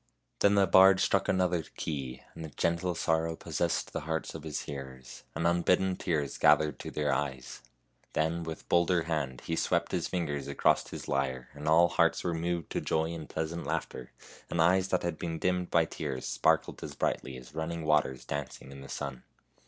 Then the bard struck another key, and a gentle sorrow pos sessed the hearts of his hearers, and unbidden tears gathered to their eyes. Then, with bolder hand, he swept his fingers across his lyre, and all hearts were moved to joy and pleasant laughter, and eyes that had been dimmed by tears sparkled as brightly as running waters dancing in the sun.